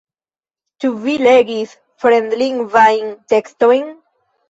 Ĉu vi legis fremdlingvajn tekstojn?